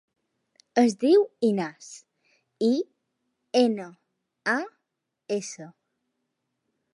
Es diu Inas: i, ena, a, essa.